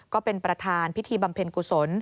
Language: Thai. ก็เป็นประธานพิธีบำเพ็ญกุศล